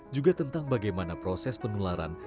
juga tentang bagaimana proses penularan